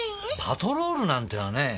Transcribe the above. パトロールなんてのはねぇ